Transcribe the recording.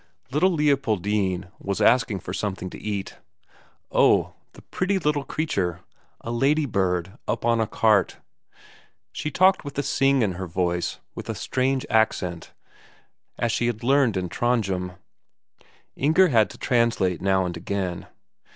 Little Leopoldine was asking for something to eat. Oh, the pretty little creature; a ladybird up on a cart! She talked with a sing in her voice, with a strange accent, as she had learned in Trondhjem. Inger had to translate now and again.